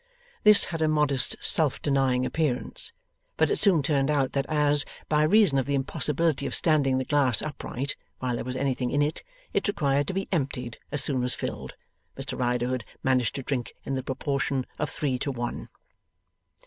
This had a modest self denying appearance; but it soon turned out that as, by reason of the impossibility of standing the glass upright while there was anything in it, it required to be emptied as soon as filled, Mr Riderhood managed to drink in the proportion of three to one.